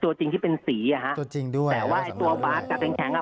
ตัวจริงที่เป็นสีอ่ะฮะตัวจริงด้วยแต่ว่าไอ้ตัวบาสกับแข็งอ่ะ